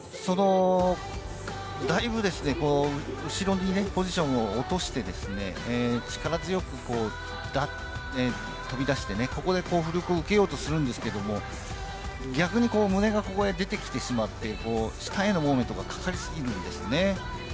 だいぶ後にポジションを落として、力強く飛び出して浮力を受けようとするんですけれど、逆に胸が出てきてしまって、下へのモーメントがかかりすぎるんですね。